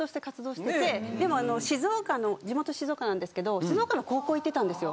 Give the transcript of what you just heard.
でも静岡の地元静岡なんですけど静岡の高校行ってたんですよ。